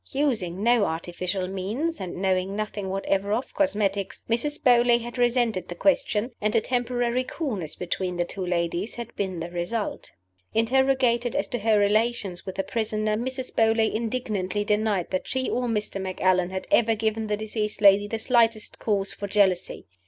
Using no artificial means, and knowing nothing whatever of cosmetics, Mrs. Beauly had resented the question, and a temporary coolness between the two ladies had been the result. Interrogated as to her relations with the prisoner, Mrs. Beauly indignantly denied that she or Mr. Macallan had ever given the deceased lady the slightest cause for jealousy.